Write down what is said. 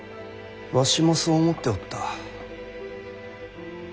わしもそう思っておった。